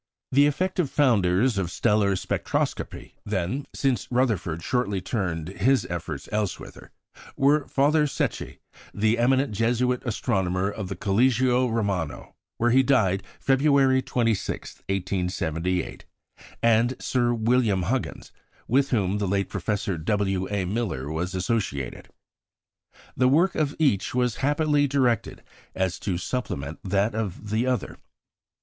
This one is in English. The effective founders of stellar spectroscopy, then (since Rutherfurd shortly turned his efforts elsewhither), were Father Secchi, the eminent Jesuit astronomer of the Collegio Romano, where he died, February 26, 1878, and Sir William Huggins, with whom the late Professor W. A. Miller was associated. The work of each was happily directed so as to supplement that of the other.